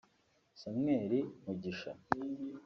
Samuel Mugisha